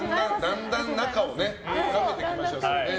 だんだん仲を温めていきましょう。